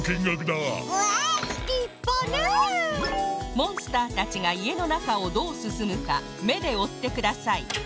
モンスターたちがいえのなかをどうすすむかめでおってください